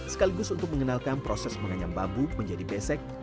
sekaligus untuk mengenalkan proses menganyam bambu menjadi besek